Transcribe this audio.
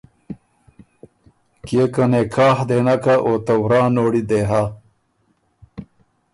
کيې که نکاح دې نک هۀ او ته ورا نوړی دې هۀ